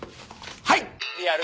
はいリアル